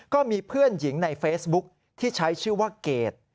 ก็มีเพื่อนหญิงในเฟซบุ๊คที่ใช้ชื่อว่าเกด